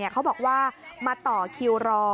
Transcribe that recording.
เขาบอกว่ามาต่อคิวรอ